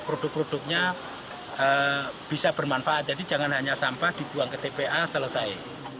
produk produknya bisa bermanfaat jadi jangan hanya sampah dibuang ke tpa selesai